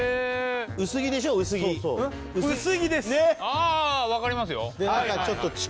ああわかりますよ。